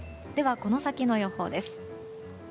では、この先の予報です。